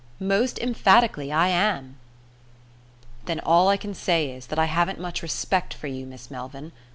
"Most emphatically I am." "Then all I can say is that I haven't much respect for you, Miss Melvyn.